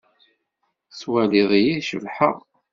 Tettwaliḍ-iyi cebḥeɣ?